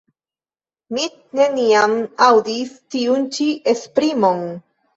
Mi neniam aŭdis tiun ĉi esprimon.